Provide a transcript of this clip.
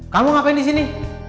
kamu ngapain disini